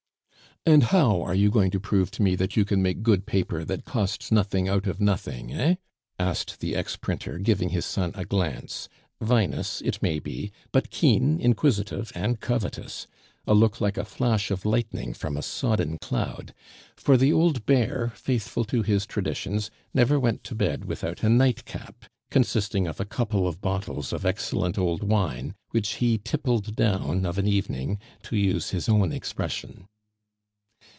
"And how are you going to prove to me that you can make good paper that costs nothing out of nothing, eh?" asked the ex printer, giving his son a glance, vinous, it may be, but keen, inquisitive, and covetous; a look like a flash of lightning from a sodden cloud; for the old "bear," faithful to his traditions, never went to bed without a nightcap, consisting of a couple of bottles of excellent old wine, which he "tippled down" of an evening, to use his own expression.